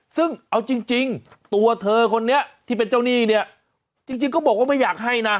ซึ่งเอาจริงตัวเธอคนนี้ที่เป็นเจ้าหนี้เนี่ยจริงก็บอกว่าไม่อยากให้นะ